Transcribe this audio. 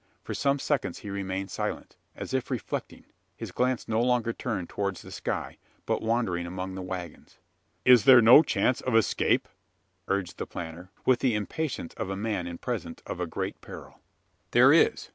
For some seconds he remained silent, as if reflecting his glance no longer turned towards the sky, but wandering among the waggons. "Is there no chance of escape?" urged the planter, with the impatience of a man in presence of a great peril. "There is!"